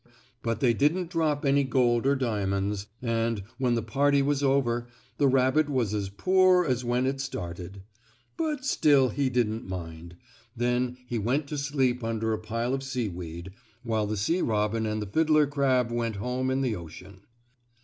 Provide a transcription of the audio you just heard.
But they didn't drop any gold or diamonds, and, when the party was over, the rabbit was as poor as when it started. But still he didn't mind. Then he went to sleep under a pile of seaweed, while the sea robin and the fiddler crab went home in the ocean.